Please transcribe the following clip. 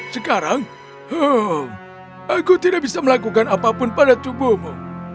sekarang aku tidak bisa melakukan apapun pada tubuhmu